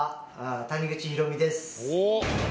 谷口浩美です。